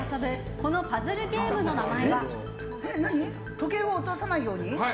時計を落とさないように？